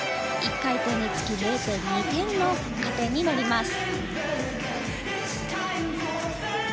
１回転につき０．２点の加点になります。